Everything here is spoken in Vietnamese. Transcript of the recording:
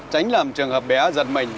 tránh làm trường hợp bé giật mình